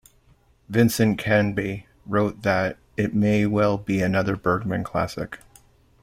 Vincent Canby wrote that it may well be another Bergman classic.